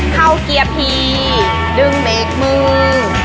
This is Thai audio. เข้าเกียร์พีดึงเบรกมือ